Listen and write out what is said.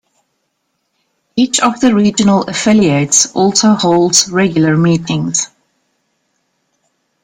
Each of the regional affiliates also holds regular meetings.